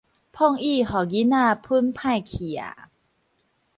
膨椅予囡仔翸歹去矣